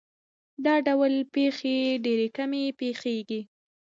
دا ډول پېښې ډېرې کمې پېښېږي.